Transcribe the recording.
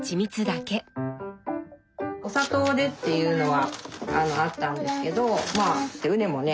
お砂糖でっていうのはあったんですけど羽根もね